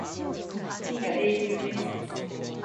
銀河英雄伝説